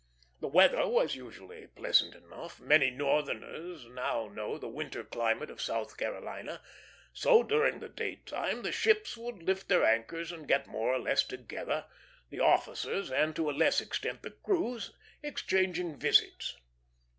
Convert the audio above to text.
The weather was usually pleasant enough many Northerners now know the winter climate of South Carolina so during the daytime the ships would lift their anchors and get more or less together; the officers, and to a less extent the crews, exchanging visits.